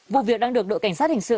vụ việc đang được đội cảnh sát hình sự